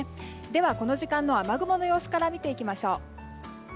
では、この時間の雨雲の様子から見ていきましょう。